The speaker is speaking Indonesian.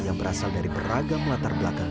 yang berasal dari beragam latar belakang